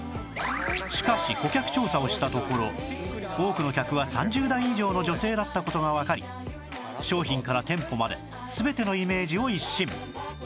しかし顧客調査をしたところ多くの客は３０代以上の女性だった事がわかり商品から店舗まで全てのイメージを一新